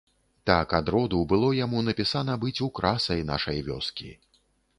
Так ад роду было яму напісана быць украсай нашае вёскі.